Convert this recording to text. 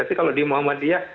tapi kalau di muhammadiyah